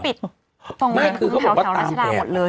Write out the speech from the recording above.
ตรงนั้นคงแถวนักชาติได้หมดเลย